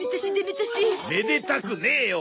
めでたくねえよ！